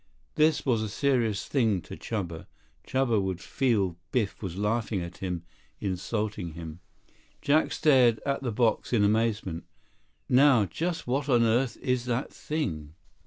This was a serious thing to Chuba. Chuba would feel Biff was laughing at him, insulting him. Jack stared at the box in amazement. "Now just what on earth is that thing?"